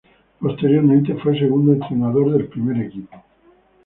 Posteriormente fue segundo entrenador del primer equipo.